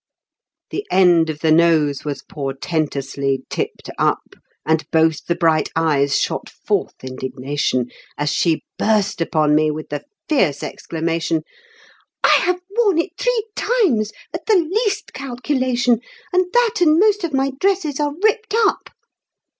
The end of the nose was portentously tipped up And both the bright eyes shot forth indignation, As she burst upon me with the fierce exclamation, "I have worn it three times, at the least calculation, And that and most of my dresses are ripped up!"